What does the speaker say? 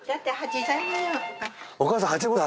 お母さん８５歳？